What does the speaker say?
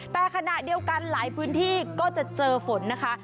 แต่ขณะเดียวกันหลายพื้นที่ก็จะเจอฝนนะคะ